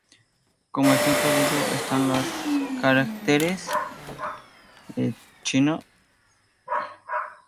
Como ejemplo de ello están los caracteres 要 y 覂.